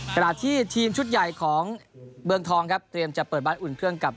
ขณะที่ทีมชุดใหญ่ของเมืองทองครับเตรียมจะเปิดบ้านอุ่นเครื่องกับ